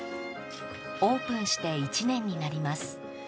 オープンして１年になります。